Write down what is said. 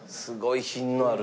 品のある。